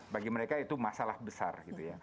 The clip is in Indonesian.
bagi mereka itu masalah besar